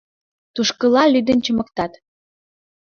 Тушкыла лӱдын чымыктат?